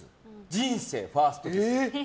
人生ファーストキス。